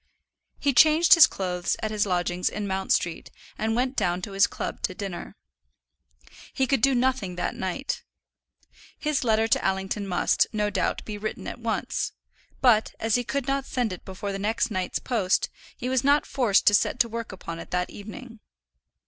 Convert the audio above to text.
He changed his clothes at his lodgings in Mount Street and went down to his club to dinner. He could, at any rate, do nothing that night. His letter to Allington must, no doubt, be written at once; but, as he could not send it before the next night's post, he was not forced to set to work upon it that evening.